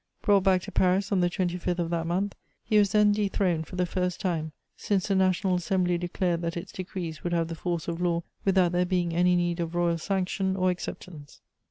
Brought back to Paris on the 25th of that month, he was then dethroned for the first time, since the National Assembly declared that its decrees would have the force of law without there being any need of royal sanction or acceptance.